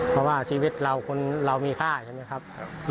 เพราะว่าชีวิตเราคนเรามีค่าใช่ไหมครับ